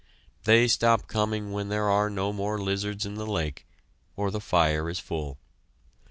They stop coming when there are no more lizards in the lake or the fire is full.